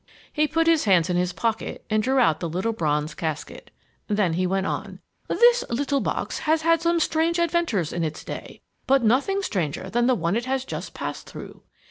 He put his hands in his pocket and drew out the little bronze casket. Then he went on, "This little box has had some strange adventures in its day, but nothing stranger than the one it has just passed through.